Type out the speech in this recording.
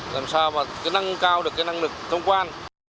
làm sao mà năng cao được năng lực thông quan